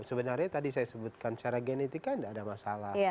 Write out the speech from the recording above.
sebenarnya tadi saya sebutkan secara genetik kan tidak ada masalah